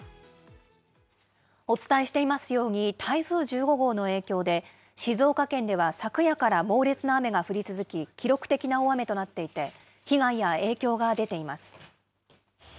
お伝えしていますように、台風１５号の影響で、静岡県では昨夜から猛烈な雨が降り続き、記録的な大雨となっていて、被害や影響が出ています。